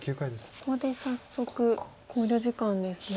ここで早速考慮時間ですね。